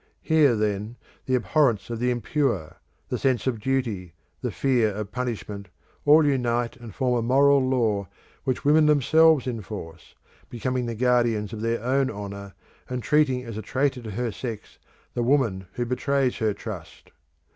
Here, then, the abhorrence of the impure, the sense of duty, the fear of punishment, all unite and form a moral law which women themselves enforce, becoming the guardians of their own honour, and treating as a traitor to her sex the woman who betrays her trust.